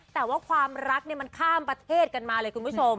แต่ว่าความรักมันข้ามประเทศกันมาเลยคุณผู้ชม